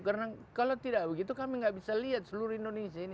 karena kalau tidak begitu kami tidak bisa lihat seluruh indonesia ini